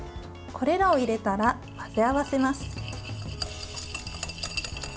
これらを入れたら混ぜ合わせます。